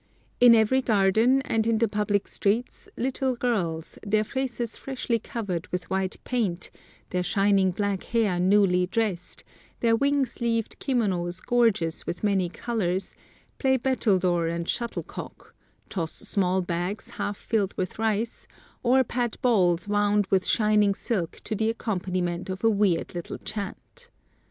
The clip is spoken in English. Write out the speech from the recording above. In every garden and in the public streets little girls, their faces freshly covered with white paint, their shining black hair newly dressed, their wing sleeved kimonos gorgeous with many colors, play battledore and shuttlecock, toss small bags half filled with rice, or pat balls wound with shining silk to the accompaniment of a weird little chant.